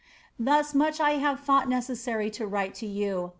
Thus much I have tiiought necessary to write to you.